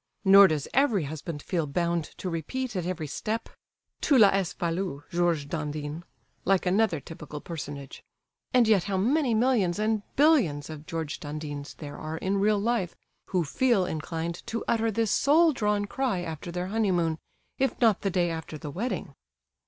Nor does every husband feel bound to repeat at every step, "Tu l'as voulu, Georges Dandin!" like another typical personage; and yet how many millions and billions of Georges Dandins there are in real life who feel inclined to utter this soul drawn cry after their honeymoon, if not the day after the wedding!